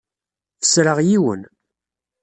Fesreɣ yiwen.